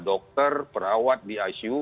dokter perawat di icu